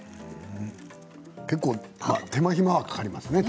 結構、手間暇かかりますね。